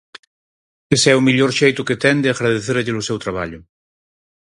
Ese é o mellor xeito que ten de agradecerlles o seu traballo.